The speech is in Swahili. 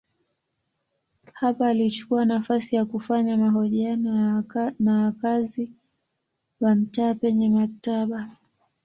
Hapa alichukua nafasi ya kufanya mahojiano na wakazi wa mtaa penye maktaba.